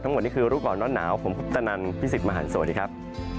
ทั้งหมดนี้คือรูปกรณ์ร้อนหนาวผมพุทธนันทร์พี่สิทธิ์มหาลสวัสดีครับ